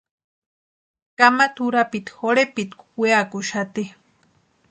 Kamata urapiti jorhepitku weakuxati.